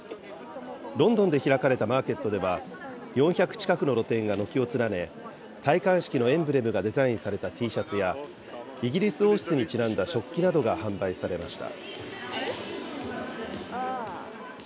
ロンドンで開かれたマーケットでは、４００近くの露店が軒を連ね、戴冠式のエンブレムがデザインされたＴシャツや、イギリス王室にちなんだ食器などが販売されました。